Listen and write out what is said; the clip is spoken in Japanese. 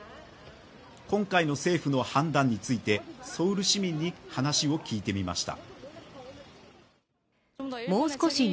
今回の政府の判断についてソウル市民に話を聞いてみました。